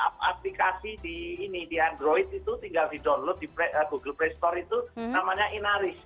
ada aplikasi di android itu tinggal di download di google play store itu namanya inarisk